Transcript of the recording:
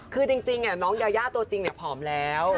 คือจริงน้องยายาตัวจริงผอมแล้ว